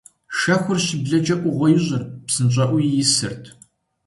Шэхур щыблэкӀэ Ӏугъуэ ищӀырт, псынщӀэӀуэуи исырт.